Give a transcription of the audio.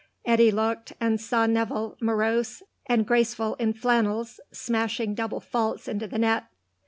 Eddy looked, and saw Nevill, morose and graceful in flannels, smashing double faults into the net.